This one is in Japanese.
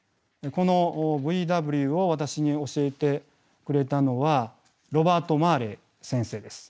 このＶＷを私に教えてくれたのはロバート・マーレー先生です。